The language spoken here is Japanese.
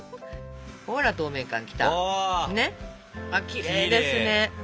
きれいですね。